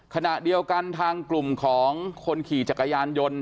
ขณะเดียวกันทางกลุ่มของคนขี่จักรยานยนต์